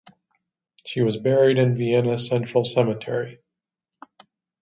She was buried in Vienna Central Cemetery.